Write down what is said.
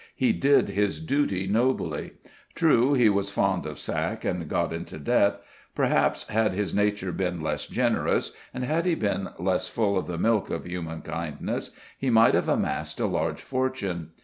He did his duty nobly. True, he was fond of sack and got into debt. Perhaps had his nature been less generous, and had he been less full of the milk of human kindness, he might have amassed a large fortune.